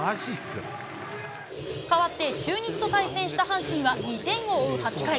変わって、中日と対戦した阪神は、２点を追う８回。